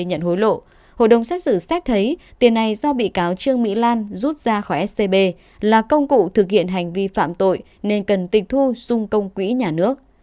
hội đồng xét xử xét thấy tiền này do bị cáo trương mỹ lan rút ra khỏi scb là công cụ thực hiện hành vi phạm tội nên cần tịch thu xung công quỹ nhà nước